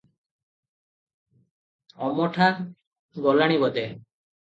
ଅମଠା ଗଲାଣି ବୋଧେ ।